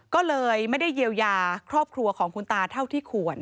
ก็เลยไม่ได้เยียวยาครอบครัวของคุณตาเท่าที่ควร